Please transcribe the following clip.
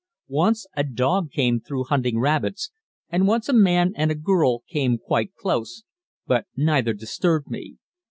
Once a dog came through hunting rabbits, and once a man and a girl came quite close, but neither disturbed me.